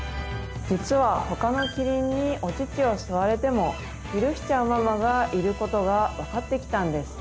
実はほかのキリンにお乳を吸われても許しちゃうママがいることが分かってきたんです。